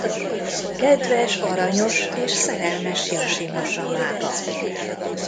Kedves aranyos és szerelmes Yashima-samába.